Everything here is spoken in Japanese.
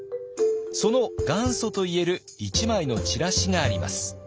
その元祖といえる１枚のチラシがあります。